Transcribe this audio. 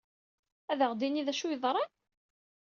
Ad aɣ-d-tinid d acu ay yeḍran?